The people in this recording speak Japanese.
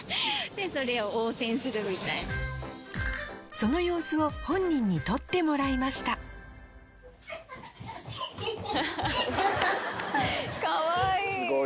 その様子を本人に撮ってもらいましたかわいい！